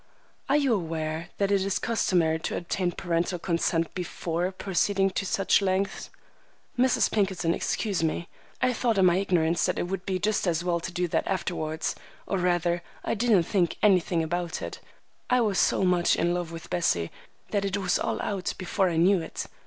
"Are you aware that it is customary to obtain parental consent before proceeding to such lengths?" "Mrs. Pinkerton, excuse me. I thought in my ignorance that it would be just as well to do that afterwards; or rather, I didn't think anything about it. I was so much in love with Bessie that it was all out before I knew it.